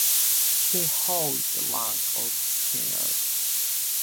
He holds the rank of General.